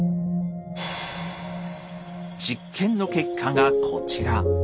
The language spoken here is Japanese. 実験の結果がこちら。